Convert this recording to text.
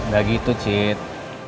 gak gitu cid